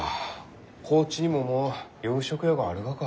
高知にももう洋食屋があるがか。